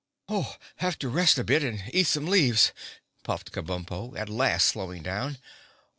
"Have to rest a bit and eat some leaves," puffed Kabumpo, at last slowing down.